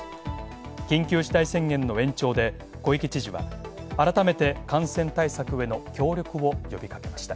緊急事態宣言の延長で小池知事は改めて感染対策への協力を呼びかけました。